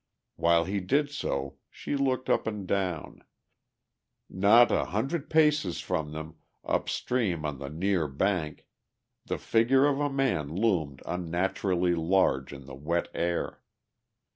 While he did so she looked up and down; not a hundred paces from them, upstream on the near bank, the figure of a man loomed unnaturally large in the wet air.